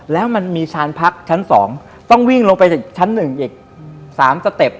แล้วมันมีชานพักชั้นสองต้องวิ่งลงไปชั้นหนึ่งอีกสามสเต็ป